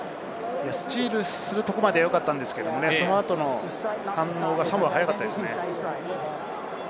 スティールするところまでは良かったんですけれど、その後の反応が早かったですね。